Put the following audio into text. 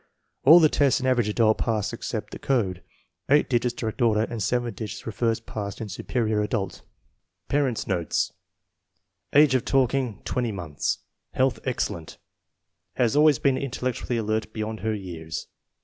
All the tests in Average Adult passed except the code; eight digits direct order, and seven digits re versed passed in Superior Adult. Parents 9 notes. Age of talking, 20 months. Health excellent. Has always been intellectually alert beyond her years.